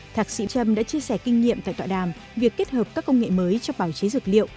thạc sĩ trâm đã chia sẻ kinh nghiệm tại tọa đàm việc kết hợp các công nghệ mới trong bảo chế dược liệu